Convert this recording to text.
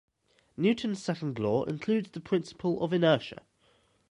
Newton’s second law includes the principle of inertia.